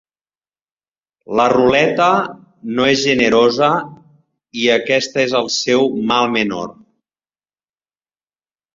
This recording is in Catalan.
La ruleta no és generosa, i aquesta és el seu mal menor.